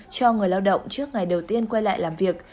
cho người lao động trước ngày đầu tiên quay lại làm việc